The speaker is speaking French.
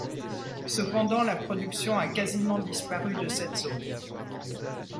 Cependant la production a quasiment disparu de cette zone.